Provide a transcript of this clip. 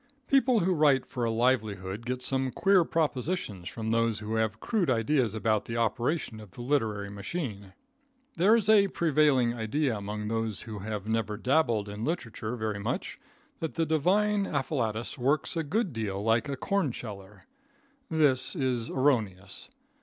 People who write for a livelihood get some queer propositions from those who have crude ideas about the operation of the literary machine. There is a prevailing idea among those who have never dabbled in literature very much, that the divine afflatus works a good deal like a corn sheller. This is erroneous.